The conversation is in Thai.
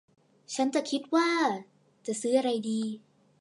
ฉันจะคิดว่าจะซื้ออะไรดี